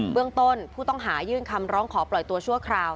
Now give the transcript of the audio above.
เรื่องต้นผู้ต้องหายื่นคำร้องขอปล่อยตัวชั่วคราว